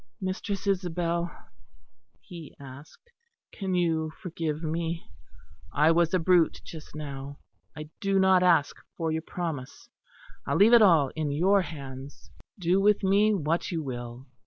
"Mistress Isabel," he asked, "can you forgive me? I was a brute just now. I do not ask for your promise. I leave it all in your hands. Do with me what you will.